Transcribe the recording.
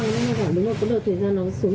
để anh hỏi bây giờ như sao nó sẽ có tiền khác không